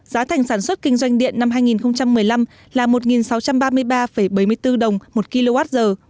giá thành sản xuất kinh doanh điện năm hai nghìn một mươi năm là một sáu trăm ba mươi ba bảy mươi bốn đồng một kwh